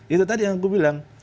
itu tadi yang aku bilang